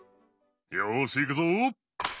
よしいくぞ！